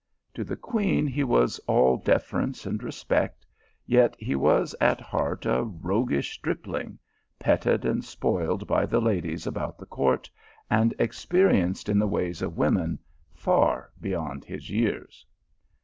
To the queen, he was all deference and respect, yet he was at heart a roguish stripling, petted and spoiled by the ladies about the court, and experienced in the ways of women far beyond his years.